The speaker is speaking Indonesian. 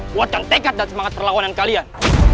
buatkan tekat dan semangat perlawanan kalian